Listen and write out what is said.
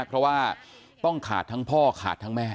เพราะว่าต้องขาดทั้งพ่อขาดทั้งแม่